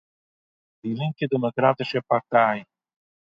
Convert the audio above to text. די לינקע דעמאקראטישע פארטיי